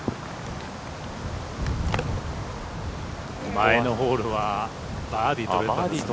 前のホールはバーディー取れてますね。